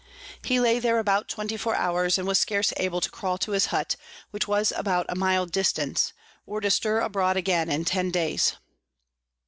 He lay there about 24 hours, and was scarce able to crawl to his Hutt, which was about a mile distant, or to stir abroad again in ten days.